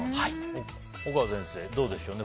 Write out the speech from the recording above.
大川先生、どうでしょうね。